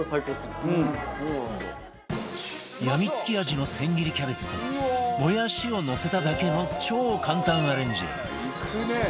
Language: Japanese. やみつき味の千切りキャベツともやしをのせただけの超簡単アレンジ